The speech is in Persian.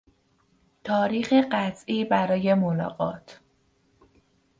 تاریخ قطعی برای ملاقات